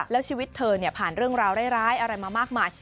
แล้วชีวิตเธอผ่านเรื่องราวร้ายอะไรมามากมาย